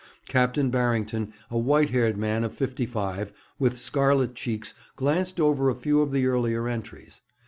Captain Barrington, a white haired man of fifty five, with scarlet cheeks, glanced over a few of the earlier entries.